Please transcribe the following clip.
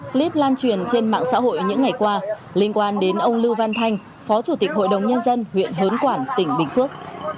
clip lan truyền trên mạng xã hội những ngày qua liên quan đến ông lưu văn thanh phó chủ tịch hội đồng nhân dân huyện hớn quản tỉnh bình phước